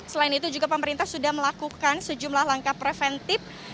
selain itu juga pemerintah sudah melakukan sejumlah langkah preventif